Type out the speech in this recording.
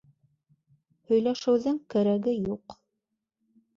Һөйләшеүҙең кәрәге юҡ.